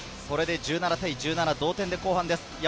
１７対１７、同点で後半です。